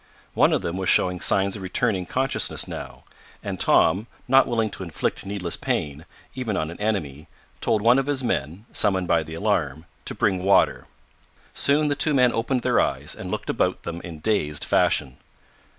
One of them was showing signs of returning consciousness now, and Tom, not willing to inflict needless pain, even on an enemy, told one of his men, summoned by the alarm, to bring water. Soon the two men opened their eyes, and looked about them in dazed fashion.